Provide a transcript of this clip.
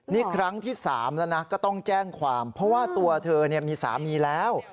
นี่ครั้งที่๓แล้วนะก็ต้องแจ้งความเพราะว่าตัวเธอมีสามีแล้ว